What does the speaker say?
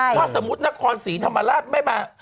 ถ้าสมมุตินครศรีธรรมราชไม่มา